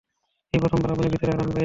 এই প্রথমবার, আপনি ভিতরে আর আমি বাইরে।